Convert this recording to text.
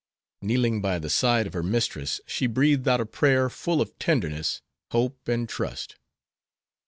Kneeling by the side of her mistress she breathed out a prayer full of tenderness, hope, and trust.